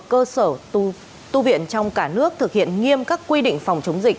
cơ sở tu viện trong cả nước thực hiện nghiêm các quy định phòng chống dịch